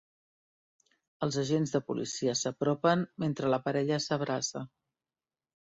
Els agents de policia s'apropen mentre la parella s'abraça.